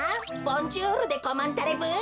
ボンジュールでコマンタレブー。